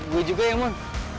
gue juga ya mon